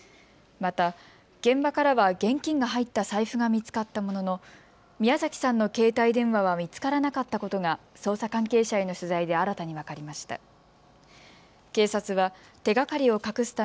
また、現場からは現金が入った財布が見つかったものの宮崎さんの携帯電話は見つからなかったことが捜査関係者への取材で新たに分かりました。